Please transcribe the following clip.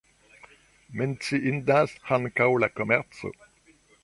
Menciindas ankaŭ la komerco.